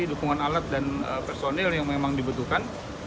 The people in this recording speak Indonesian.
dukungan alat dan personil yang memang dibutuhkan